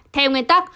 theo nguyên tắc